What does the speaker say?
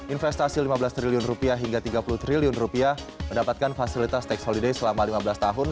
investasi lima belas triliun rupiah hingga tiga puluh triliun rupiah mendapatkan fasilitas tax holiday selama lima belas tahun